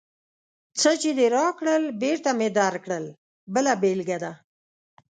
څه چې دې راکړل، بېرته مې درکړل بله بېلګه ده.